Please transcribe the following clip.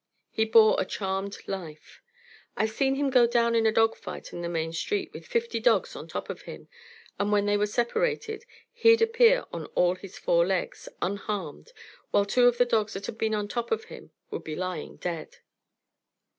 He bore a charmed life. I've seen him go down in a dog fight on the main street with fifty dogs on top of him, and when they were separated, he'd appear on all his four legs, unharmed, while two of the dogs that had been on top of him would be lying dead.